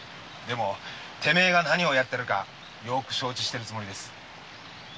でもてめえが何をやっているかはよく承知しているつもりです。